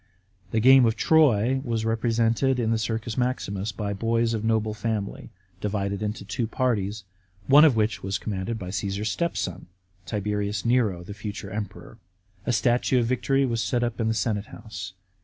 The game of " Troy " was represented in the Circus Maximus by boys of noble family, divided into two parties, of which one was commanded by Caesar's stepson, Tiberius Nero, the future Emperor. A statue of Victory was set up in the Senate house.